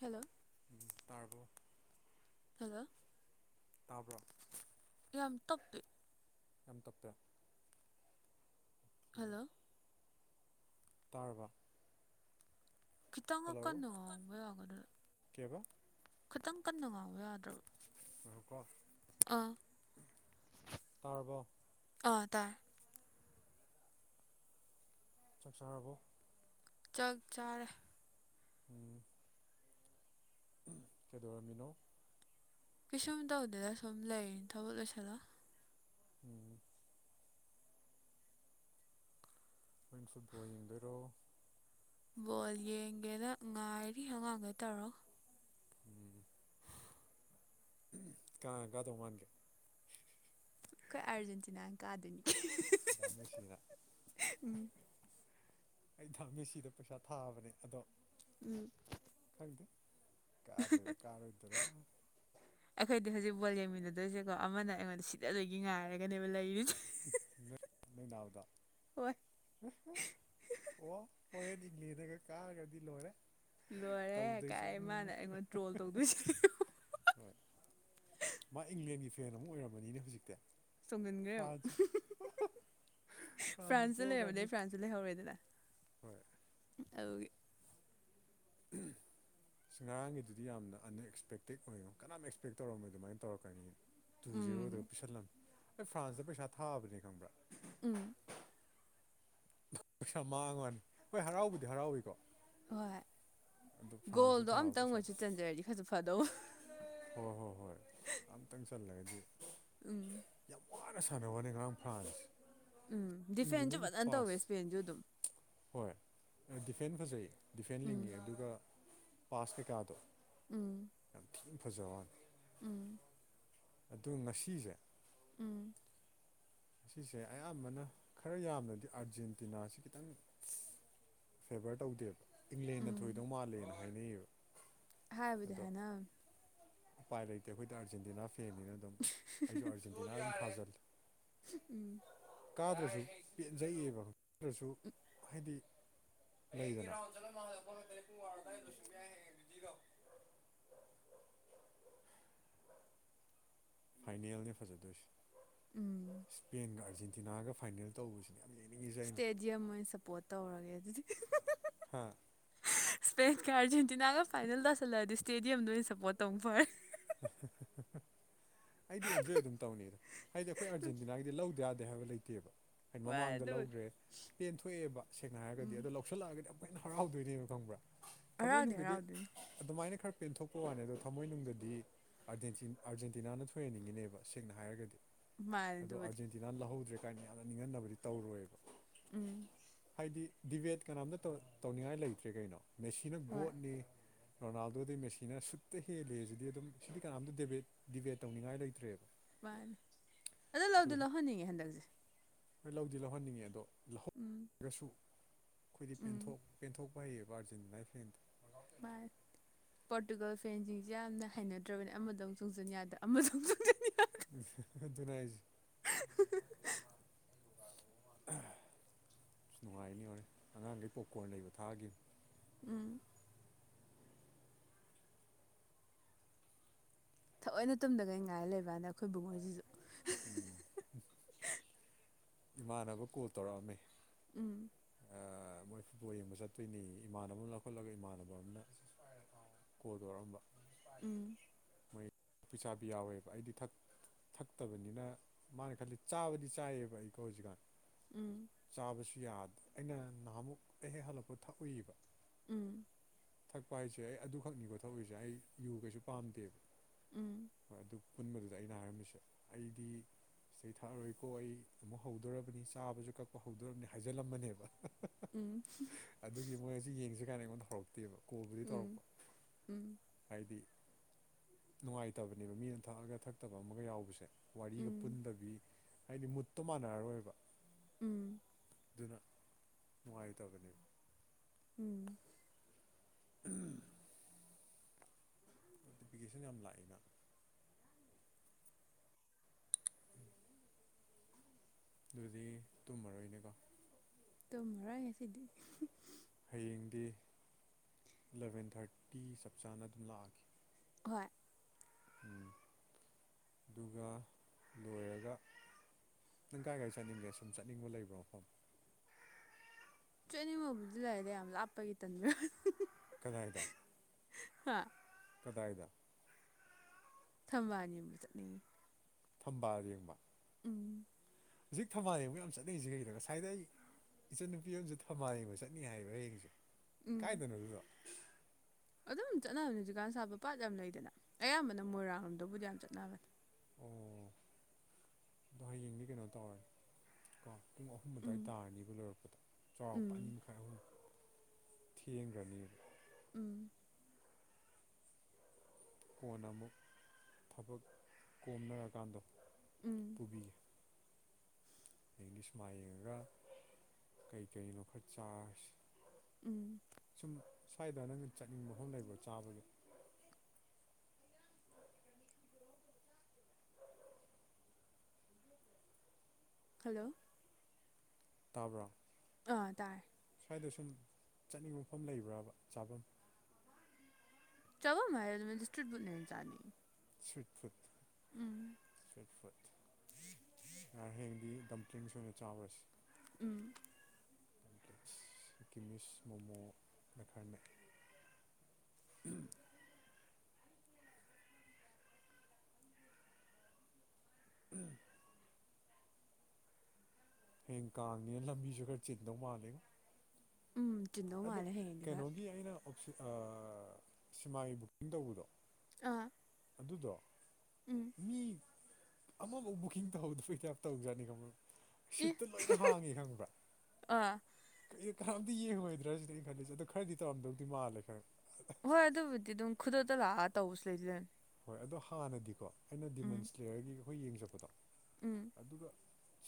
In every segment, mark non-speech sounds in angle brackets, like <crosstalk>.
hello ꯎ ꯇꯥꯔꯕꯣ hello ꯇꯥꯕ꯭ꯔꯣ ꯌꯥꯝ ꯇꯞꯄꯤ ꯌꯥꯝ ꯇꯞꯄꯦ ꯍꯜꯂꯣ ꯇꯥꯔꯕꯣ ꯈꯤꯇꯪ ꯍꯜꯂꯣ ꯀꯟꯅ ꯉꯥꯡꯕ ꯌꯥꯒꯗ꯭ꯔꯥ ꯀꯦꯕ ꯈꯤꯇꯪ ꯀꯟꯅ ꯉꯥꯡꯕ ꯌꯥꯗ꯭ꯔꯕ ꯉꯥꯏꯈꯣꯀꯣ ꯑꯥ ꯇꯥꯔꯕꯣ ꯑꯥ ꯇꯥꯏ ꯆꯥꯛ ꯆꯥꯔꯕꯣ ꯆꯥꯛ ꯆꯥꯔꯦ ꯎꯝ ꯎꯝ ꯀꯩꯗꯧꯔꯝꯃꯤꯅꯣ ꯀꯩꯁꯨꯨꯝꯝꯇꯧꯗꯦꯗ ꯁꯨꯝ ꯂꯩ ꯊꯕꯣꯛ ꯂꯣꯏꯁꯤꯟꯂ ꯎꯝ ꯅꯪꯁꯨ ꯕꯣꯜ ꯌꯦꯡꯗꯣꯏꯔꯣ ꯕꯣꯜ ꯌꯦꯡꯒꯦꯅ ꯉꯥꯏꯔꯤ ꯑꯉꯥꯡꯒ ꯇꯧꯔꯥ ꯎꯝ ꯀꯅꯥ ꯀꯥꯗꯧ ꯃꯥꯟꯒꯦ ꯑꯩꯈꯣꯏ ꯑꯥꯔꯖꯦꯟꯇꯤꯅꯥꯅ ꯀꯥꯗꯣꯏꯅꯤ ꯗꯥ ꯃꯦꯁꯤꯅ ꯑꯩ ꯗꯥ ꯃꯦꯁꯤꯗ ꯄꯩꯁꯥ ꯊꯥꯕꯅꯦ ꯑꯗꯣ ꯎꯝ ꯈꯪꯗꯦ ꯀꯥꯗꯣꯏꯔꯥ ꯀꯥꯔꯣꯏꯗꯣꯏꯔꯥ ꯑꯩꯈꯣꯏꯗꯤ ꯍꯧꯖꯤꯛ ꯕꯣꯜ ꯌꯦꯡꯃꯤꯟꯅꯗꯣꯏꯁꯦꯀꯣ ꯑꯃꯅ ꯑꯩꯉꯣꯟꯗ ꯁꯤꯗ ꯗꯣꯏꯒꯤ ꯉꯥꯏꯔꯒꯅꯦꯕ ꯂꯩꯔꯤꯁꯦ <unintelligible> ꯍꯣꯏ ꯑꯣꯍꯣ ꯍꯣꯔꯦꯟ ꯏꯪꯡꯂꯦꯟꯅꯒ ꯀꯥꯔꯒꯗꯤ ꯂꯣꯏꯔꯦ ꯂꯣꯏꯔꯦ ꯇꯧꯗꯣꯏꯁꯦ ꯀꯥꯏ ꯎꯝ ꯃꯥꯅ ꯑꯩꯉꯣꯟꯗ <unintelligible> <unintelligible> ꯍꯣꯏ ꯃꯥ ꯏꯪꯂꯦꯟꯒꯤ ꯐꯦꯟ ꯑꯃꯨꯛ ꯑꯣꯏꯔꯝꯕꯅꯤꯅꯦ ꯍꯧꯖꯤꯛꯇꯤ ꯆꯣꯡꯖꯤꯟꯈ꯭ꯔꯦ ꯑꯃꯨꯛ ꯐ꯭ꯔꯥꯟꯁꯨ ꯐ꯭ꯔꯥꯟꯁꯨ ꯐ꯭ꯔꯥꯟꯁꯇ ꯄꯣꯈ꯭ꯔꯕꯅꯤ ꯂꯩꯔꯕꯗꯩ ꯐ꯭ꯔꯥꯟꯁꯇꯣ ꯂꯩꯍꯧꯔꯦꯗꯅ ꯍꯣꯏ ꯑꯎꯒꯤ ꯎꯝ ꯑꯁ ꯉꯔꯥꯡꯒꯤꯗꯨꯗꯤ ꯌꯥꯝꯅ ꯑꯟꯑꯛꯁꯄꯦꯛꯇꯦꯠ ꯑꯣꯏ ꯀꯅꯥꯝ ꯑꯦꯛꯁꯄꯦꯛ ꯇꯧꯔꯝꯃꯣ ꯑꯗꯨꯃꯥꯏꯅ ꯇꯧꯔꯛꯀꯅꯤꯗꯤ ꯇꯨ ꯎꯝ ꯖꯦꯔꯣꯗ ꯄꯤꯁꯜꯂꯝꯃꯤ ꯑꯩ ꯐ꯭ꯔꯥꯟꯁꯇ ꯄꯩꯁꯥ ꯊꯥꯕꯅꯦ ꯈꯪꯕ꯭ꯔꯥ ꯎꯝ ꯄꯩꯁꯥ ꯃꯥꯡꯉꯅꯤ ꯍꯣꯏ ꯍꯔꯥꯎꯕꯨꯗꯤ ꯍꯔꯥꯎꯋꯤꯀꯣ ꯍꯣꯏ ꯑꯗꯨ ꯐ꯭ꯔꯥꯟꯁꯇ ꯒꯣꯜꯗꯣ ꯊꯥꯕ ꯑꯝꯇꯪ ꯄꯩꯁꯥꯗꯤ ꯑꯣꯏꯁꯨ ꯆꯟꯖꯔꯗꯤ ꯈꯔꯁꯨ ꯐꯗꯧꯕ ꯍꯣꯏ ꯍꯣꯏ ꯍꯣꯏ ꯑꯝꯇꯪ ꯆꯜꯂꯒꯗꯤ ꯎꯝ ꯌꯥꯝ ꯋꯥꯅ ꯁꯥꯟꯅꯕꯅꯤ ꯉꯔꯥꯡ ꯐ꯭ꯔꯥꯟꯁꯦ ꯎꯝ ꯗꯤꯐꯦꯟꯁꯨ ꯐꯖꯅ ꯇꯧꯋꯦ ꯏꯁꯄꯦꯟꯁꯨ ꯑꯗꯨꯝ ꯍꯣꯏ ꯗꯤꯐꯦꯟ ꯐꯖꯩ ꯗꯤꯐꯦꯟ ꯎꯝ ꯂꯤꯡꯉꯤ ꯑꯗꯨꯒ ꯄꯥꯁ ꯀꯩꯀꯥꯗꯣ ꯎꯝ ꯊꯤ ꯐꯖꯕꯅꯦ ꯎꯝ ꯑꯗꯨ ꯉꯁꯤꯁꯦ ꯎꯝ ꯉꯁꯤꯁꯦ ꯑꯌꯥꯝꯕꯅ ꯈꯔ ꯌꯥꯝꯅꯗꯤ ꯑꯥꯔꯖꯦꯟꯇꯤꯅꯥꯁꯤ ꯈꯤꯇꯪ ꯐꯦꯚꯔ ꯇꯧꯗꯦꯕ ꯏꯪꯂꯦꯟꯅ ꯎꯝ ꯊꯣꯏꯗꯧ ꯃꯥꯜꯂꯦꯅ ꯍꯥꯏꯅꯩꯌꯦꯕ ꯍꯥꯏꯕꯨꯗꯤ ꯑꯗꯣ ꯍꯥꯏꯅꯅꯦ ꯎꯄꯥꯏ ꯂꯩꯇꯦ ꯑꯩꯈꯣꯏꯗꯤ ꯑꯥꯔꯖꯦꯟꯇꯤꯅꯥ ꯐꯦꯡꯉꯤꯅ ꯑꯗꯨꯝ ꯑꯩꯁꯨ ꯑꯥꯔꯖꯦꯟꯇꯤꯅꯥ ꯑꯗꯨꯝ ꯊꯥꯖꯟ ꯎꯝ ꯀꯥꯗ꯭ꯔꯁꯨ ꯄꯦꯟꯖꯩꯌꯦꯕ ꯀꯥꯗ꯭ꯔꯁꯨ ꯍꯥꯏꯗꯤ ꯥꯎ ꯆꯠ ꯀ ꯄꯨꯡ ꯋꯥꯔꯗ ꯌꯥ <unintelligible> ꯐꯥꯏꯅꯦꯜꯅꯤ ꯐꯖꯗꯣꯏꯁꯦ ꯎꯝ ꯏꯁꯄꯦꯟꯒ ꯑꯥꯔꯖꯦꯟꯇ ꯗꯤꯅꯥꯒ ꯐꯥꯏꯅꯦꯜ ꯇꯧꯕꯁꯤꯅꯦ ꯌꯥꯝ ꯌꯦꯡꯅꯤꯡꯉꯤꯁꯦ ꯑꯩꯅ ꯏꯁꯇꯦꯗꯤꯌꯝ ꯑꯣꯏꯅ ꯁꯞꯄꯣꯔꯠ ꯇꯧꯔꯒꯦ ꯑꯗꯨꯗꯤ ꯍꯥꯥ ꯁ꯭ꯄꯦꯟꯀ ꯑꯥꯔꯖꯦꯟꯇꯤꯅꯥꯒ ꯐꯥꯏꯅꯦꯜ ꯇꯥꯁꯜꯂꯛꯑꯗꯤ ꯏꯁꯇꯦꯗꯤꯌꯝꯗ ꯑꯣꯏꯅ ꯁꯞꯄꯣꯔꯠ ꯇꯧꯕꯅ ꯐꯔꯦ ꯑꯗꯨꯗꯤ ꯍ ꯑꯩꯗꯤ ꯑꯦꯟꯖꯣꯏ ꯑꯗꯨꯝ ꯇꯧꯅꯤ ꯍꯥꯏꯗꯤ ꯑꯩꯈꯣꯏ ꯇꯑꯥꯔꯖꯦꯟꯇꯤꯅꯥꯒꯤꯗꯤ ꯂꯧꯗ ꯌꯥꯗꯦ ꯍꯥꯏꯕ ꯂꯩꯇꯦꯕ ꯋꯥꯏ ꯃꯃꯥꯡꯗ ꯑꯗꯨꯕꯨꯗꯤ ꯂꯧꯈ꯭ꯔꯦ ꯄꯦꯟ ꯊꯣꯛꯑꯦꯕ ꯁꯦꯡꯅ ꯍꯥꯏꯔꯒꯗꯤ ꯎꯝ ꯑꯗꯣ ꯂꯧ ꯂꯧꯁꯜꯂꯛꯑꯒꯗꯤ ꯌꯥꯃꯨꯛ ꯍꯦꯟꯅ ꯍꯔꯥꯎꯗꯣꯏꯅꯦꯕ ꯈꯪꯕ꯭ꯔꯥ ꯍꯔꯥꯎꯗꯤ ꯊꯃꯣꯏꯅꯨꯡꯗꯗꯤ ꯍꯔꯥꯎꯗꯣꯏꯅꯤ ꯑꯗꯨꯃꯥꯏꯅ ꯈꯔ ꯄꯦꯟꯊꯣꯛꯄꯒꯤ ꯋꯥꯅꯤ ꯑꯗꯣ ꯊꯝꯃꯣꯏꯅꯨꯡꯗꯗꯤ ꯑꯥꯔꯖꯦꯟꯇꯤꯅꯥꯅ ꯊꯣꯏꯍꯟꯅꯤꯡꯉꯤꯅꯦꯕ ꯁꯦꯡꯅ ꯍꯥꯏꯔꯒꯗꯤ ꯃꯥꯅꯦ ꯑꯗꯣ ꯑꯗꯨꯕꯨꯗꯤ ꯑꯔꯖꯦꯟ ꯁꯤꯅꯥ ꯂꯧꯍꯧꯗ꯭ꯔꯦ ꯒꯥꯏꯅ ꯌꯥꯝꯅ ꯅꯤꯡꯍꯟꯅꯕꯗꯤ ꯇꯧꯔꯣꯏꯕ ꯎꯝ ꯍꯥꯏꯗꯤ ꯗꯤꯕꯦꯠ ꯀꯅꯥꯝꯇ ꯇꯧꯅꯤꯡꯉꯥꯏ ꯂꯩꯇ꯭ꯔꯦ ꯀꯩꯅꯣ ꯃꯦꯁꯤꯅ ꯍꯣꯏ ꯒꯣꯠꯅꯤ ꯔꯣꯅꯥꯜꯗꯣꯗꯩ ꯃꯦꯁꯤꯅ ꯁꯨꯠꯇ ꯍꯦꯂꯦꯁꯤꯗꯤ ꯑꯗꯨꯝ ꯁꯤꯗꯤ ꯀꯅꯥꯝꯇ ꯗꯤꯕꯦꯠ ꯇꯧꯅꯤꯡꯉꯥꯏ ꯂꯩꯇ꯭ꯔꯦꯕ ꯃꯥꯅꯤ ꯑꯗꯨ ꯂꯧꯗꯤ ꯂꯧꯍꯟꯅꯤꯡꯉꯦ ꯍꯟꯗꯛꯁꯦ ꯍꯣꯏ ꯂꯧꯗꯤ ꯂꯧꯍꯟꯅꯤꯡꯉꯦ ꯑꯗꯣ ꯎꯝ ꯂꯧꯍꯧꯔꯒꯁꯨ ꯑꯩꯈꯣꯏꯗꯤ ꯎꯝ ꯄꯦꯟꯊꯣꯛ ꯄꯦꯟꯊꯣꯛꯄ ꯍꯩꯌꯦꯕ ꯑꯥꯔꯖꯦꯟꯇꯤꯅꯥꯒꯤ ꯐꯔꯦꯟꯗꯤ ꯃꯥꯅꯤ ꯄꯣꯔꯇꯨꯒꯜ ꯐꯦꯟꯁꯤꯡꯁꯤ ꯌꯥꯝꯅ ꯍꯩꯅꯗ꯭ꯔꯕꯅꯦ ꯑꯃꯗꯃꯨꯛ ꯆꯣꯁꯤꯟ ꯌꯥꯗ ꯑꯃꯗꯃꯨ ꯆꯣꯁꯤꯟ ꯍꯍ ꯑꯗꯨꯅꯦ ꯍꯥꯎꯏꯖꯦ <unintelligible> ꯑꯁ ꯅꯨꯡꯉꯥꯏꯅꯤ ꯍꯣꯔꯦꯟ ꯑꯉꯥꯡꯈꯩ ꯄꯣꯀꯣꯔꯟ ꯂꯩꯕ ꯊꯥꯈꯤꯕꯅꯦ ꯎꯝ ꯊꯑꯣꯏꯅ ꯇꯨꯝꯗꯈꯩ ꯉꯥꯏꯔ ꯂꯩꯕ ꯋꯥꯅꯤꯗ ꯑꯩꯈꯣꯏ ꯕꯨꯡꯉꯣꯏꯁꯤꯁꯨ ꯎꯝ ꯏꯃꯥꯟꯅꯕ ꯀꯣꯜ ꯇꯧꯔꯛꯑꯝꯃꯤ ꯎꯝ ꯃꯣꯏ ꯐꯨꯠꯕꯣꯜ ꯌꯦꯡꯕ ꯆꯠꯇꯣꯏꯅꯦꯋꯦ ꯏꯃꯥꯟꯅꯕ ꯑꯃ ꯂꯧꯈꯠꯂꯒ ꯏꯃꯥꯟꯅꯕ ꯑꯃꯅ ꯀꯣꯟ ꯇꯧꯔꯛꯑꯝꯕ ꯎꯝ ꯃꯣꯏ ꯄꯩꯁꯥꯕꯤ ꯌꯥꯎꯋꯦꯕ ꯑꯩꯗꯤ ꯊꯛ ꯊꯛꯇꯕꯅꯤꯅ ꯃꯥꯅ ꯈꯜꯂꯤ ꯆꯥꯕꯗꯤ ꯆꯥꯏꯌꯦꯕ ꯑꯩꯀꯣ ꯍꯧꯖꯤꯛꯀꯥꯟ ꯎꯝ ꯆꯥꯕꯁꯨ ꯌꯥꯗꯦ ꯑꯩꯅ ꯅꯍꯥꯃꯨꯛ ꯑꯩ ꯍꯦꯛ ꯍꯜꯂꯛꯄ ꯊꯛꯎꯏꯕ ꯎꯝ ꯊꯛꯄ ꯍꯥꯏꯁꯦ ꯑꯩ ꯑꯗꯨꯈꯛꯅꯤꯀꯣ ꯊꯛꯎꯏꯁꯦ ꯑꯩ ꯌꯨꯀꯩꯁꯨ ꯄꯥꯝꯗꯦꯕ ꯎꯝ ꯍꯣꯏ ꯑꯗꯨ ꯄꯨꯟꯕꯗꯨꯗ ꯑꯩꯅ ꯍꯥꯏꯔꯝꯃꯤꯁꯦ ꯑꯩꯗꯤ ꯁꯤ ꯊꯛꯑꯔꯣꯏꯀꯣ ꯑꯩ ꯑꯃꯨꯛ ꯍꯧꯗꯣꯔꯕꯅꯤ ꯆꯥꯕꯁꯨ ꯀꯛꯄ ꯍꯧꯗꯣꯔꯕꯅꯤ ꯍꯥꯏꯖꯤꯜꯂꯝꯃꯕꯅꯦꯕ ꯎꯝ ꯑꯗꯨꯒꯤ ꯃꯣꯏ ꯁꯤ ꯌꯦꯡꯖꯤ ꯒꯥꯏꯅ ꯑꯩꯉꯣꯟꯗ ꯍꯧꯔꯛꯇꯦꯕ ꯀꯣꯜꯕꯨꯗꯤ ꯇꯧꯔꯛꯄ ꯎꯝ ꯎꯝ ꯍꯥꯏꯗꯤ ꯅꯨꯡꯉꯥꯏꯇꯕꯅꯦꯕ ꯃꯤꯅ ꯊꯛꯑꯒ ꯊꯛꯇꯕ ꯑꯃꯒ ꯌꯥꯎꯕꯁꯦ ꯋꯥꯔꯤꯒ ꯎꯝ ꯄꯨꯟꯗꯕꯤ ꯍꯥꯏꯗꯤ ꯃꯨꯠꯇꯣ ꯃꯥꯟꯅꯔꯔꯣꯏꯕ ꯎꯝ ꯑꯗꯨꯅ ꯅꯨꯡꯉꯥꯏꯇꯕꯅꯦꯕ ꯎꯝ ꯎꯝ ꯅꯣꯇꯤꯐꯤꯀꯦꯁꯟ ꯌꯥꯝ ꯂꯥꯛꯏꯅ ꯑꯗꯨꯗꯤ ꯇꯨꯝꯃꯔꯣꯏꯅꯦꯀꯣ ꯇꯨꯃꯔꯣꯏ ꯉꯁꯤꯗꯤ ꯍꯌꯦꯡꯗꯤ ꯑꯦꯂꯚꯦꯟ ꯊꯥꯔꯇꯤ ꯆꯞ ꯆꯥꯅ ꯑꯗꯨꯝ ꯂꯥꯛꯑꯒꯦ ꯍꯣꯏ ꯎꯝ ꯑꯗꯨꯒ ꯂꯣꯏꯔꯒ ꯅꯪ ꯀꯥꯏ ꯀꯥꯏ ꯆꯠꯅꯤꯡꯒꯦ ꯁꯨꯝ ꯆꯠꯅꯤꯡꯕ ꯂꯩꯕꯔꫭ ꯃꯐꯝ ꯆꯠ ꯅꯤꯡꯕꯕꯨꯗꯤ ꯂꯩꯗꯤ ꯌꯥꯝ ꯂꯥꯞꯄꯒꯤ ꯇꯟꯕꯤ ꯋꯥꯅꯤ ꯀꯗꯥꯥꯏꯗ ꯍꯥ ꯀꯗꯥꯏꯗ ꯊꯝꯕꯥꯜ ꯌ‌ꯦꯡꯕ ꯆꯠꯅꯤꯡꯉꯤ ꯊꯝꯕꯥꯜ ꯌꯦꯡꯕ ꯎꯝ ꯍꯧꯖꯤꯛ ꯊꯝꯕꯥꯜꯂ ꯌꯦꯡ ꯌꯥꯝ ꯆꯠꯅꯔꯤꯁ‌ꯦ ꯀꯩꯒꯤꯅꫭ ꯉꯁꯥꯏꯗ ꯑꯩ ꯏꯆꯟꯅꯨꯄꯤ ꯑꯃꯁꯨ ꯊꯝꯕꯥꯜ ꯌꯦꯡꯕ ꯆꯠꯅꯤ ꯍꯥꯏꯌꯦꯕ ꯍꯌꯦꯡꯁꯨ ꯎꯝ ꯀꯥꯏꯗꯅꯣ ꯑꯗꯨꯗꯣ ꯑꯗꯨꯝ ꯆꯠꯅꯕꯅꯦ ꯍꯧꯖꯤꯛꯀꯥꯟ ꯁꯥꯠꯄ ꯄꯥꯠ ꯌꯥꯝ ꯂꯩꯗꯅ ꯑꯌꯥꯝꯕꯅ ꯃꯣꯏꯔꯥꯡꯔꯣꯝꯗꯕꯨꯗꯤ ꯌꯥꯝ ꯆꯠꯅꯕꯅꯦ ꯎꯝ ꯑꯗꯣ ꯍꯌꯦꯡꯗꯤ ꯀꯩꯅꯣ ꯇꯧꯔꯅꯤ ꯀ ꯄꯨꯡ ꯑꯍꯨꯝ ꯑꯗꯨꯋꯥꯏ ꯎꯝ ꯇꯥꯔꯅꯤꯕ ꯂꯣꯏꯔꯛꯄꯗ ꯆꯥꯎꯔꯥꯛꯄ ꯎꯝ ꯑꯅꯤ ꯃꯈꯥꯏ ꯑꯍꯨꯝ ꯊꯦꯡꯒ꯭ꯔꯅꯤꯕ ꯎꯝ ꯀꯣꯟꯅ ꯑꯃꯨꯛ ꯊꯕꯛ ꯀꯣꯝꯅꯔꯀꯥꯟꯗ ꯎꯝ ꯄꯨꯕꯤꯒ‌ꯦ ꯑꯗꯩꯗꯤ ꯁꯤꯃꯥ ꯌꯦꯡꯉꯒ ꯀꯩꯀꯩꯅꯣ ꯈꯔ ꯆꯥꯔꯨꯖꯤ ꯎꯝ ꯁꯨꯝ ꯁ꯭ꯋꯥꯏꯗ ꯅꯪꯅ ꯆꯠꯅꯤꯡꯕ ꯃꯐꯝ ꯂꯩꯕ꯭ꯔꯣ ꯆꯥꯕꯒꯤ ꯍꯜꯂꯣ ꯇꯥꯕ꯭ꯔꯣ ꯑꯥ ꯇꯥꯏ ꯁ꯭ꯋꯥꯏꯗ ꯁꯨꯝ ꯆꯠꯅꯤꯡꯕ ꯃꯐꯝ ꯂꯩꯕ꯭ꯔꯕ ꯆꯥꯐꯝ ꯆꯥꯚꯝ ꯃꯥꯥꯏꯜꯗꯤ <unintelligible> ꯏꯁꯇ꯭ꯔꯤꯠ ꯐꯨꯠꯅ ꯍꯟꯅ ꯆꯥꯅꯤꯡꯉꯤ ꯁꯤ ꯐꯨꯠ ꯎꯝ ꯐꯨꯠ ꯑꯥ ꯍꯌꯦꯡꯗꯤ ꯗꯝꯇ꯭ꯔꯤꯡꯁ ꯑꯣꯏꯅ ꯆꯥꯎꯔꯁꯤ ꯎꯝ ꯀꯤꯃꯤꯁ ꯃꯣꯃꯣ ꯂꯩ ꯈꯥꯔꯅꯦ ꯎꯝ <unintelligible> ꯎꯝ ꯍꯌꯦꯡ ꯀꯥꯡꯉꯅꯤꯅ ꯂꯝꯕꯤꯁꯨ ꯈꯔ ꯆꯤꯟꯗꯧ ꯃꯥꯜꯂꯦ ꯎꯝ ꯆ ꯑꯗꫭ ꯀꯩꯅꯣꯒꯤ ꯑꯩꯅ ꯑꯣ ꯁꯤꯃꯥꯒꯤ ꯕꯨꯛꯀꯤꯡ ꯇꯧꯕꯗꯣ ꯑꯥ ꯑꯗꯨꯗꯣ ꯎꯝ ꯃꯤ ꯑꯃꯐꯥꯎ ꯕꯨꯛꯀꯤꯡ ꯇꯧꯍꯧꯗꯕꯩ ꯇꯥꯋꯞ ꯇꯧꯖꯥꯅꯤ ꯈꯪꯚꯔꯥ ꯑꯦ ꯁꯤꯠꯇꯨ ꯂꯣꯏꯅ ꯍꯥꯡꯉꯤ ꯈꯪꯕ꯭ꯔꯥ ꯑꯥ ꯀꯩꯅꫭ ꯀꯅꯥꯝꯇ ꯌꯦꯡꯉꯃꯣꯏꯗ꯭ꯔꯥ ꯁꯤꯗꯤ ꯑꯩꯅ ꯈꯜꯂꯤꯁꯦ ꯑꯗꯣ ꯈꯔꯗꯤ ꯇꯧꯔꯝꯗꯧꯗꯤ ꯃꯥꯜꯂꯦ ꯈꯔ ꯍꯣꯏ ꯑꯗꯨꯕꯨꯗꯤ ꯑꯗꯨꯝ ꯈꯨꯗꯣꯛꯇ ꯂꯥꯛꯑꯒ ꯇꯧꯕꯁꯨ ꯂꯩꯗꯣꯏꯅꯤ <unintelligible> ꯍꯣꯏ ꯑꯗꯣ ꯍꯥꯟꯅꯗꯤꯀꯣ ꯑꯩꯅ ꯗꯤꯃꯟꯁ꯭ꯂꯦꯌꯔꯒꯤ ꯑꯩꯈꯣꯏ ꯌꯦꯡꯆꯠꯄꯗꯣ ꯎꯝ ꯑꯗꯨꯒ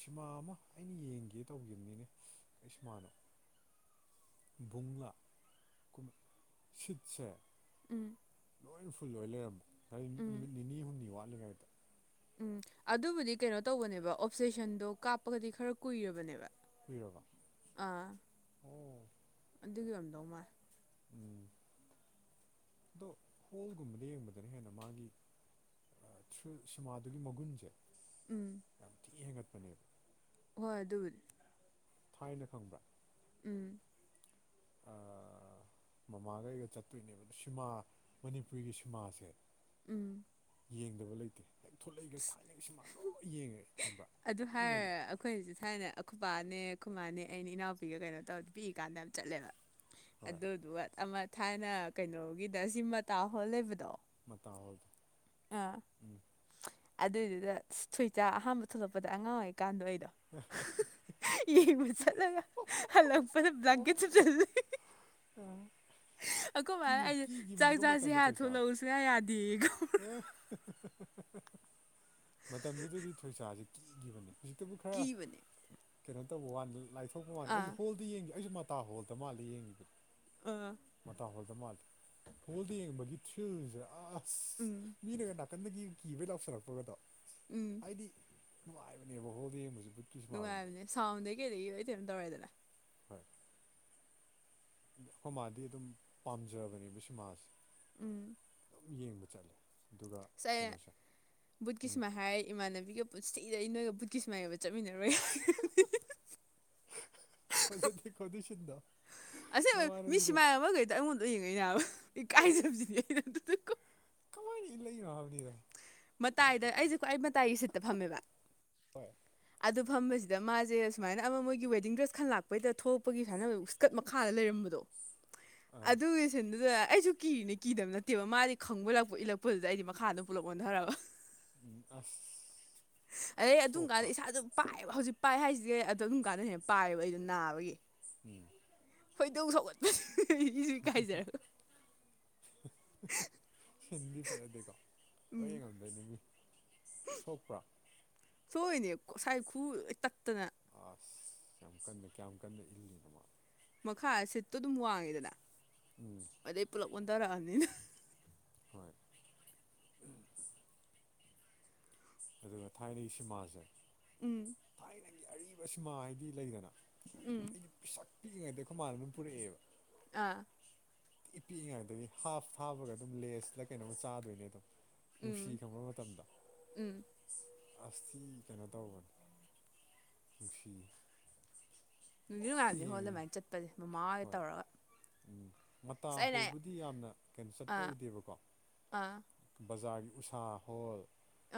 ꯁꯤꯃꯥ ꯑꯃ ꯑꯩꯅ ꯌꯦꯡꯒꯦ ꯇꯧꯈꯤꯕꯅꯤꯅꯦ ꯀꯩ ꯁꯤꯃꯥꯅꯣ ꯕꯨꯡꯂ ꯁꯤꯠꯁꯦ ꯎꯝ ꯂꯣꯏ ꯐꯨꯜ ꯑꯣꯏ ꯂꯩꯔꯝꯕ ꯍꯥꯏꯗꯤ ꯎꯝ ꯅꯨꯃꯤꯠ ꯅꯤꯅꯤ ꯍꯨꯝꯅꯤ ꯋꯥꯠꯂꯤꯉꯩꯗ ꯎꯝ ꯑꯗꯨꯕꯨꯗꯤ ꯀꯩꯅꯣ ꯇꯧꯕꯅꯦꯕ ꯑꯣꯞꯖꯦꯁꯟꯗꯣ ꯀꯥꯞꯄꯒꯗꯤ ꯈꯔ ꯀꯨꯏꯔꯕꯅꯦꯕ ꯀꯨꯏꯔꯕ ꯑꯣ ꯑꯗꯨꯒꯤꯑꫭꯏꯔꯝꯗꯧ ꯃꯥꯜꯂꯤ ꯎꯝ ꯑꯗꯣ ꯍꯣꯜꯒꯨꯝꯕꯗ ꯌꯦꯡꯕꯗꯅ ꯍꯦꯟꯅ ꯃꯥꯒꯤ ꯁꯨꯝ ꯁꯤꯃꯥꯗꯨꯒꯤ ꯃꯒꯨꯟꯁꯦ ꯎꯝ ꯌꯥꯝ ꯊꯤꯛ ꯍꯦꯟꯒꯠꯄꯅꯦꯕ ꯍꯣꯏ ꯑꯗꯨꯕꯨꯅꯤ ꯊꯥꯏꯅ ꯈꯪꯕ꯭ꯔꯥ ꯎꯝ ꯑꯥ ꯃꯃꯥꯡꯒ ꯑꯩꯒ ꯆꯠꯇꯣꯏꯅꯦꯕ ꯁꯤꯃꯥ ꯃꯅꯤꯄꯨꯒꯤ ꯁꯤꯃꯥꯁꯦ ꯎꯝ ꯌꯦꯡꯗꯕ ꯂꯩꯇꯦ ꯍꯦꯛ ꯊꯣꯛꯂꯛꯏꯈ ꯊꯥꯏꯅꯁꯤꯃ ꯂꯣꯏ ꯌꯦꯡꯉꯛꯦ ꯑꯗꯨ ꯍꯥ ꯑꯩꯈꯣꯏꯁꯦ ꯊꯥꯏꯅ ꯈꯨꯄꯥꯅꯦ ꯈꯨꯃꯅꯦ ꯑꯩꯅ ꯏꯅꯥꯎꯄꯤꯒ ꯀꯩꯅꯣ ꯇꯧꯔꯗꯤ ꯄꯤꯛꯏ ꯀꯥꯟꯗ ꯌꯥꯝ ꯆꯠꯂꯦꯕ ꯍꯣꯏ ꯑꯗꯨꯗꯨ ꯑꯃ ꯊꯥꯏꯅ ꯀꯩꯅꯣꯒꯤꯗ ꯁꯤꯃ ꯇꯥ ꯍꯣꯜ ꯂꯩꯕꯗꯣ ꯃꯇ ꯍꯗ ꯑꯥ ꯎꯝ ꯑꯗꯨꯏꯗꯨꯗ ꯊꯨꯆꯥ ꯑꯍꯥꯥꯟꯕ ꯊꯣꯛꯂꯛꯄꯗ ꯑꯉꯥꯡ ꯑꯣꯏꯩꯀꯥꯟꯗꯣ ꯑꯩꯗꯣ ꯎꯝ ꯌꯕꯨ ꯆꯠꯂꯒ ꯍꯜꯂꯛꯄꯗ ꯪꯀꯦꯁꯨ ꯆꯠꯂ ꯎꯝ ꯑꯩꯈꯣ ꯃꯥ ꯑꯩꯁꯦ ꯆꯥꯛ ꯆꯥꯁꯤꯦ ꯍꯥꯏ ꯊꯣꯏꯁꯥꯁꯦ ꯊꯣꯛꯂꯛꯎꯁꯨꯌꯥ ꯌꯥꯗꯦꯌꯦꯀꯣ ꯃꯇꯝꯗꯨꯗꯗꯤ ꯊꯣꯏꯁꯥꯁꯦ ꯀꯤꯈꯤꯕꯅꯤ ꯍꯧ ꯇꯕꯨ ꯈꯔ ꯀꯤꯕꯅꯦ ꯀꯩꯅꯣ ꯇꯧꯕ ꯋꯥꯅꯤ ꯂꯥꯏꯊꯣꯛꯄ ꯋꯥꯅꯤ ꯑꯩꯁꯨ ꯑꯥ ꯍꯣꯜ ꯑꯗꯨ ꯌꯦꯡꯒꯦ ꯑꯩꯁꯨ ꯃꯇꯥ ꯍꯣꯜꯗ ꯃꯥꯜꯂꯜꯂꯤ ꯌꯦꯡꯈꯤꯕꯗꯨꯅꯦ ꯑꯥ ꯃꯇꯥꯡ ꯍꯣꯜꯗ ꯃꯥꯜꯜꯂꯤꯦ ꯍꯣꯜꯗ ꯌꯦꯡꯕꯒꯤ ꯊꯁꯦ ꯑ ꯑꯁ ꯎꯝ ꯃꯤꯅꯒ ꯅꯥꯀꯟꯗꯒꯤ ꯀꯤꯕꯩ ꯂꯥꯎꯁꯜꯂꯛꯄꯒꯗꯣ ꯎꯝ ꯍꯥꯏꯗꯤ ꯅꯨꯡꯉꯥꯏꯕꯅꯦꯕ ꯍꯣꯗꯤ ꯌꯦꯡꯖꯤꯕꯨ ꯅꯨꯡꯉꯥꯏꯕꯅꯦ ꯁꯥꯎꯟꯗꯩ ꯀꯩꯗꯩ ꯀꯩꯅꯅꯝ ꯇꯧꯔꯦꯗꯅ ꯍꯣꯏ ꯑꯩꯈꯣꯏ ꯃꯥꯗꯤ ꯑꯗꯨꯝ ꯄꯥꯝꯖꯕꯅꯦꯕ ꯁꯤ ꯃꯥꯁꯦ ꯎꯝ ꯌꯦꯡꯕ ꯆꯠꯂꯦ ꯑꯗꯨꯒ ꯀꯩꯅꯣꯁꯦ ꯎꯝ ꯕꯨꯙꯀꯤꯁꯃ ꯍꯥꯏꯥꯏ ꯏꯃꯥꯟꯅꯕꯤꯒ ꯄꯨꯟꯁꯤꯤꯗ ꯅꯣꯏꯒ ꯕꯨꯠꯀꯤ ꯁꯨꯃꯥꯏꯅꯅꯕ ꯆꯠꯃꯤꯟꯅꯔꯣꯏ ꯐꯁꯗꯤ ꯈꯨꯗꯤꯁꯤꯗ ꯑꯁ ꯃꯤ ꯁꯤꯃꯥꯏ ꯑꯃꯈꯩꯗ ꯑꯩꯉꯣꯟꯗ ꯌꯦꯡꯉꯣꯏꯕ ꯀꯔꯤ ꯀꯥꯏꯖꯕꯁꯤꯅꯦꯩꯅ ꯀꯃꯥꯏꯅ ꯏ ꯂꯩꯅꯣ ꯍꯥꯏꯕꯅꯤꯗ ꯃꯇꯥꯏꯗ ꯑꯩꯁꯦꯀ꯭ꯋꯥ ꯑꯩ ꯃꯇꯥꯏꯒꯤ ꯁꯤꯠꯇ ꯐꯝꯃꯦꯕ ꯍꯣꯏ ꯑꯗꯨ ꯐꯝꯕꯁꯤꯗ ꯃꯥꯁꯦ ꯁꯨꯃꯥꯏꯅ ꯑꯃ ꯃꯣꯏꯒꯤ ꯋꯦꯗꯤꯡ ꯗ꯭ꯔꯦꯁ ꯈꯟ ꯂꯥꯛꯄꯩꯗ ꯊꯣꯛꯄꯒꯤ ꯁꯨꯃꯥꯏꯅ ꯁ꯭ꯀꯠ ꯃꯈꯥꯗ ꯂꯩꯔꯝꯕꯗꯣ ꯑꯥ ꯑꯗ ꯆ ꯑꯩ ꯀꯤꯔꯤꯅꯦ ꯀꯤꯗꯕ ꯅꯠꯇꯦꯕ ꯃꯥꯗꯤ ꯈꯪꯕ ꯂꯛꯄ ꯏꯜꯂꯛꯄꯗꯨꯗ ꯑꯩꯗꯤ ꯃꯈꯥꯗꯣ ꯄꯨꯂꯞ ꯑꯣꯟꯊ꯭ꯔꯔꯕ ꯎꯝ ꯑꯁ ꯑꯗꯩ ꯑꯗꯨꯝ ꯀꯥꯟꯗ ꯁꯣꯛꯄ꯭ꯔꯥ ꯏꯁꯥꯗ ꯄꯥꯏꯑꯕ ꯍꯧꯖꯤꯛ ꯄꯥꯏ ꯍꯥꯏꯁꯤꯗꯤ ꯑꯗꯣ ꯑꯗꯨꯝ ꯀꯥꯟꯗ ꯍꯦꯟꯅ ꯄꯥꯏꯌꯦꯕ ꯑꯩꯗꯣ ꯅꯥꯕꯒꯤ ꯎꯝ ꯈꯣꯏꯗꯧ ꯁꯧꯒꯠꯄ ꯁꯤꯗꯤ ꯐꯗꯦꯀꯣ ꯍꯣꯏ ꯌꯦꯡꯉꯝꯗꯩꯅꯤꯡꯉ ꯁꯣꯛꯄ꯭ꯔꯥ ꯁꯣꯏꯅꯦ ꯉꯁꯥꯏ ꯈꯨ ꯇꯠꯇꯅ ꯑꯁ ꯌꯥꯝ ꯀꯟꯅ ꯀꯌꯥꯝ ꯀꯟꯅ ꯏꯜꯂꯤꯅ ꯃꯥ ꯃꯈꯥ ꯁꯤꯠꯇꯣ ꯑꯗꯨꯝ ꯋꯥꯡꯉꯤꯗꯅ ꯎꯝ ꯑꯗꯩ ꯄꯨꯂꯞ ꯑꯣꯟꯊꯔꯛꯑꯅꯤꯅ ꯍꯣꯏ ꯑꯗꯨꯒ ꯊꯥꯏꯅꯒꯤ ꯁꯤꯃꯥꯁꯦ ꯎꯝ ꯑꯩꯒꯤ ꯑꯔꯤꯕ ꯁꯤꯃꯥ ꯍꯥꯏꯗꯤ ꯂꯩꯗꯅ ꯎꯝ ꯑꯩꯩꯅ ꯄꯩꯁꯥ ꯄꯤꯛꯏꯉꯩꯗ ꯑꯩꯈꯣꯏ ꯃꯥꯟꯅꯕ ꯄꯨꯔꯛꯑꯦꯕ ꯑꯥ ꯏ ꯄꯤꯛꯏꯉꯩꯗꯒꯤ ꯍꯥꯐ ꯊꯥꯕꯒ ꯑꯗꯨꯝ ꯂꯦꯁꯇ ꯀꯩꯅꯣꯝ ꯆꯥꯗꯣꯏꯅꯦ ꯑꯗꯣ ꯅꯨꯡꯁꯤ ꯎꯝ ꯈꯪꯕ ꯃꯇꯝꯗ ꯎꯝ ꯑꯁꯇꯤ ꯀꯩꯅꯣ ꯇꯧꯕꯅꯤ ꯅꯨꯡꯁꯤ ꯉꯥꯏꯅꯤ ꯍꯣꯜ ꯌꯦꯡꯉꯤ ꯑꯗꯨꯃꯥꯏꯅ ꯆꯠꯄꯁꯦ ꯃꯃꯥꯒ ꯍꯣꯏ ꯇꯧꯔꯒ ꯎꯝ ꯃꯇꯥ ꯑꯁ ꯑꯩꯅ ꯍꯨꯜꯕꯨꯗꯤ ꯌꯥꯝꯅ ꯀꯩꯅꯣ ꯆꯠꯄ ꯑꯣꯏꯗꯦꯕꯀꯣ ꯑ ꯕꯖꯥꯔꯒꯤ ꯎꯁꯥ ꯍꯣꯜ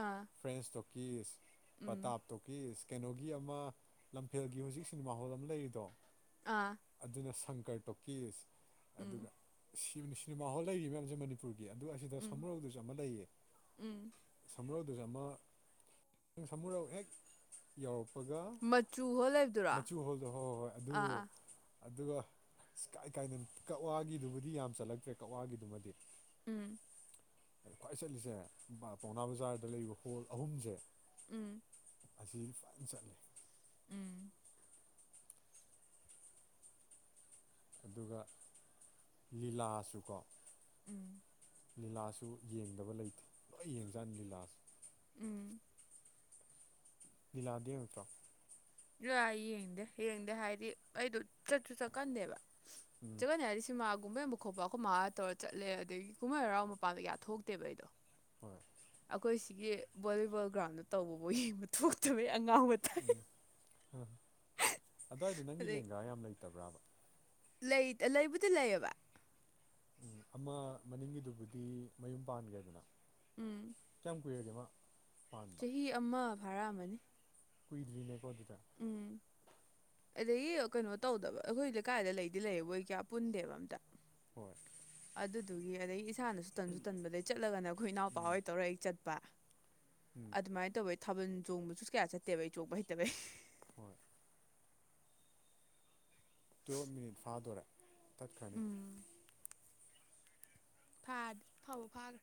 ꯑꯥ ꯐ꯭ꯔꯦꯟꯁ ꯇꯣꯀꯤꯁ ꯎꯝ ꯄꯇꯥꯞ ꯇꯣꯀꯤꯁ ꯀꯩꯅꯣꯒꯤ ꯑꯃ ꯂꯝꯐꯦꯜꯒꯤ ꯍꯧꯖꯤꯛ ꯁꯤꯅꯦꯃꯥ ꯍꯣꯜ ꯑꯃ ꯂꯩꯔꯤꯗꯣ ꯑꯥ ꯑꯗꯨꯅ ꯁꯪꯀꯔ ꯇꯣꯀꯤꯁ ꯑꯗꯨꯒ ꯎꯝ ꯁꯤꯅꯦꯃꯥ ꯍꯣꯜ ꯂꯩ ꯃꯌꯥꯝꯁꯦ ꯃꯅꯤꯄꯨꯔꯒꯤ ꯎꯝ ꯁꯝꯃꯔꯧꯗꯨꯁꯨ ꯑꯃ ꯂꯩꯌꯦ ꯎꯝ ꯁꯝꯃꯔꯧꯗꯨꯁꯨ ꯑꯃ ꯁꯃꯨꯔꯧ ꯍꯦꯛ ꯌꯥꯧꯔꯛꯄꯒ ꯃꯆꯨ ꯍꯣꯏ ꯂꯩꯕꯗꯨꯔꯣ ꯑꯥ ꯃꯆꯨ ꯍꯣꯜꯗꯣ ꯍꯣꯏ ꯍꯣꯏ ꯍꯣꯏ ꯑꯗꯨ ꯑꯥ ꯑꯗꯨꯒ ꯀꯥꯏ ꯀꯥꯏꯅ ꯀꯛꯋꯥꯒꯤꯗꯨꯕꯨꯗꯤ ꯌꯥꯝ ꯆꯜꯂꯛꯇ꯭ꯔꯦ ꯀꯛꯋꯥꯒꯤꯗꯨꯃꯗꯤ ꯎꯝ ꯈ꯭ꯋꯥꯏ ꯆꯠꯂꯤꯁꯦ ꯄꯥꯎꯅꯥ ꯕꯖꯥꯔꯗ ꯂꯩꯕ ꯍꯣꯜ ꯑꯍꯨꯝꯁꯦ ꯎꯝ ꯑꯁꯤ ꯐꯅ ꯆꯠꯂꯤ ꯎꯝ ꯑꯗꯨꯒ ꯂꯤꯂꯥꯁꯨꯀꯣ ꯎꯝ ꯂꯤꯂꯥꯁꯨ ꯌꯦꯡꯗꯕ ꯂꯩꯇꯦ ꯂꯣꯏ ꯌꯦꯡꯖꯥꯠꯅꯤ ꯂꯤꯂꯥꯥꯁꯦ ꯎꯝ ꯂꯤꯂꯥꯗꯤ ꯅꯛꯇ꯭ꯔꯣ ꯏꯣꯏ ꯌꯦꯡꯗꯦ ꯌꯦꯡꯗꯦ ꯍꯥꯏꯗꯤ ꯑꯩꯗꯣ ꯆꯠꯁꯨ ꯆꯠꯀꯟꯗꯦꯕ ꯎꯝ ꯆꯠꯀꯅꯤ ꯍꯥꯏꯗꯤ ꯁꯤꯃꯥꯒꯨꯝꯕꯩ ꯑꯃ ꯃꯈ ꯈꯣꯠꯄ ꯑꯩꯈꯣꯏ ꯃꯥꯥ ꯇꯧꯔꯒ ꯆꯠꯂꯦ ꯑꯗꯒꯤ ꯀꯨꯝꯍꯩ ꯍꯔꯥꯎꯕ ꯃꯄꯥꯟꯗ ꯀꯌꯥ ꯊꯣꯛꯇꯦꯕ ꯑꯩꯗꯣ ꯍꯣꯏ ꯑꯩꯈꯣꯏ ꯁꯤꯒꯤ ꯚꯣꯂꯤꯕꯣꯜ ꯒ꯭ꯔꯥꯎꯟꯗ ꯇꯧꯕꯐꯥꯎ ꯌꯦꯡꯕ ꯊꯣꯛꯇꯕꯩ ꯑꯉꯥꯡꯕ ꯇꯥꯏ ꯑꯗꯨꯋꯥꯏꯗꯣ ꯅꯪꯒꯤ ꯑꯗꯩ ꯂꯦꯡꯒꯥ꯭ꯔ ꯌꯥꯝ ꯂꯩꯇꯕ꯭ꯔꯕ ꯂꯩ ꯂꯩꯕꯨꯗꯤ ꯂꯩꯌꯦꯕ ꯎꯝ ꯑꯃ ꯃꯅꯤꯡꯒꯤꯗꯨꯕꯨꯗꯤ ꯃꯌꯨꯝ ꯄꯥꯟꯈ꯭ꯔꯦꯗꯅ ꯎꯝ ꯀꯌꯥꯝ ꯎꯌꯣꯖ ꯑꯃ ꯄꯥꯟꯗ ꯆꯍꯤ ꯑꯃ ꯐꯥꯔꯛꯑꯃꯅꯤ ꯀꯨꯏꯗꯔꯤꯅꯦ ꯀꯗꯨꯇ ꯑꯗꯒꯤ ꯀꯩꯅꯣ ꯇꯧꯗꯕ ꯑꯩꯈꯣꯏ ꯂꯩꯀꯥꯏꯗ ꯂꯩꯗꯤ ꯂꯩꯌꯦꯕꯣꯏ ꯀꯌꯥ ꯄꯨꯟꯗꯦꯕ ꯑꯝꯇ ꯍꯣꯏ ꯑꯗꯨꯗꯨꯒꯤ ꯑꯗꯗꯒꯤ ꯏꯁꯥꯅꯁꯨ ꯇꯟꯁꯨ ꯇꯟꯕꯗꯒꯤꯩ ꯆꯠꯂꯒꯅ ꯑꯩꯈꯣꯏ ꯏꯅꯥꯎꯄꯥ ꯎꯝ ꯑꯣꯏꯣꯏ ꯇꯧꯔ ꯑꯩ ꯆꯠ ꯑꯥ ꯎꯝ ꯑꯗꯨꯃꯥꯏꯅ ꯇꯧꯧꯕ ꯑꯩ ꯊꯥꯕꯜ ꯆꯣꯡꯕꯁꯨ ꯀꯌꯥ ꯆꯠꯇꯦꯕ ꯑꯩ ꯆꯣꯡꯕ ꯍꯩꯇꯕꯩ ꯍꯣꯏ ꯇꯨꯌꯦꯞ ꯃꯤꯅꯤꯠ ꯐꯥꯗꯣꯔꯦ ꯆꯠꯈ꯭ꯔꯅꯤ ꯎꯝ ꯥꯗꯤ ꯐꯥꯎꯕ ꯐꯥꯈ꯭ꯔꯦ